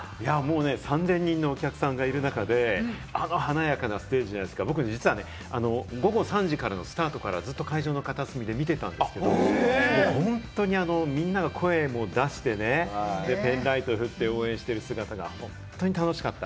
３０００人のお客さんがいる中であの華やかなステージじゃないですか、僕、実は午後３時からのスタートからずっと会場の片隅で見てたんですけれども、本当にみんなが声を出してね、ペンライト振って応援してる姿が本当に楽しかった。